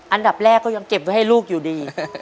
อันดับแรกก็ยังเก็บไว้ให้ลูกอยู่ดี